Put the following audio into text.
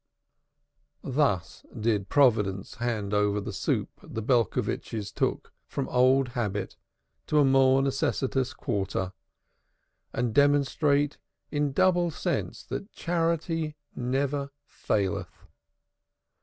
Thus did Providence hand over the soup the Belcovitches took from old habit to a more necessitous quarter, and demonstrate in double sense that Charity never faileth.